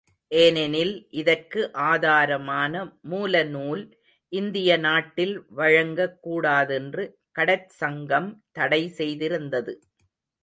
ஏனெனில் இதற்கு ஆதாரமான மூலநூல் இந்திய நாட்டில் வழங்கக் கூடாதென்று கடற் சங்கம் தடை செய்திருந்தது.